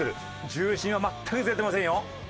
重心は全くずれてませんよ。